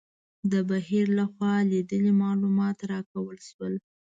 د بهیر لخوا لیدلي معلومات راکول شول.